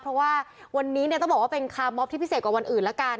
เพราะว่าวันนี้เนี่ยต้องบอกว่าเป็นคาร์มอบที่พิเศษกว่าวันอื่นละกัน